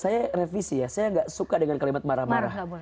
saya revisi ya saya nggak suka dengan kalimat marah marah